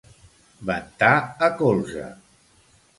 Ventar a colze.